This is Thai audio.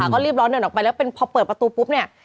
ก็รีบร้อนเดินออกไปแล้วเป็นพอเปิดประตูปุ๊บเนี่ย